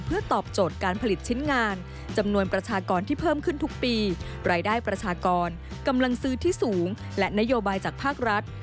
เพื่อตอบโจทย์การผลิตชิ้นงานจำนวนประชากรที่เพิ่มขึ้นทุกปีรายได้ประชากรกำลังซื้อที่สูงและนโยบายจากภาครัฐ